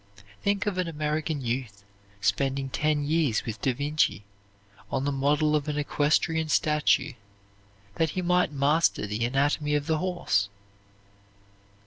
Think of an American youth spending ten years with Da Vinci on the model of an equestrian statue that he might master the anatomy of the horse!